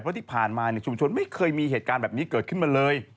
เพราะที่ผ่านมาชุมชนไม่เคยมีเหตุการณ์แบบนี้เกิดขึ้นมาเลย